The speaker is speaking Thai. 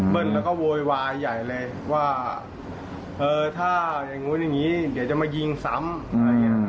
เบิ้ลก็โวยวายใหญ่เลยว่าถ้าอย่างงู้นอย่างงี้เดี๋ยวจะมายิงซ้ำ